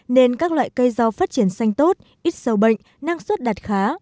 nên các loại cây rau phát triển xanh tốt ít sâu bệnh năng suất đạt khá